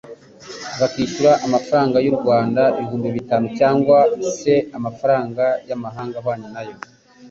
bukishyurwa amafaranga y'u Rwanda ibihumbi bitanu, cyangwa se amafaranga y'amahanga ahwanye na yo.